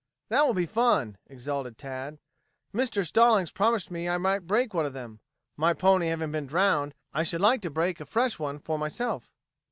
"That will be fun," exulted Tad. "Mr. Stallings promised me I might break one of them. My pony having been drowned, I should like to break a fresh one for myself."